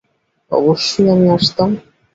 অবশ্যই আমি আসতাম।